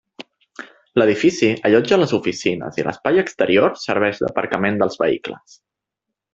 L'edifici allotja les oficines i l'espai exterior serveix d'aparcament dels vehicles.